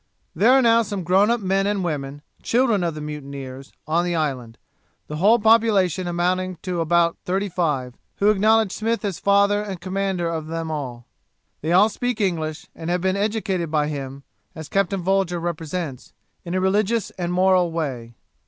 There are now some grown up men and women, children of the mutineers, on the island, the whole population amounting to about thirty five, who acknowledge Smith as father and commander of them all; they all speak English, and have been educated by him (as Captain Folger represents) in a religious and moral way.